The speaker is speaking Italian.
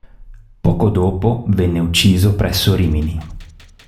Poco dopo venne ucciso presso Rimini.